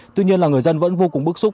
tuy nhiên là người dân vẫn vô cùng bức xúc